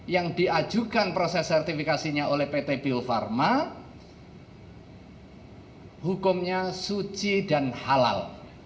yang diajukan proses sertifikasinya oleh pt bio farma hukumnya suci dan halal